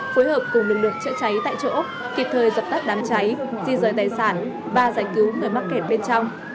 phối hợp cùng lực lượng chữa cháy tại chỗ kịp thời dập tắt đám cháy di rời tài sản và giải cứu người mắc kẹt bên trong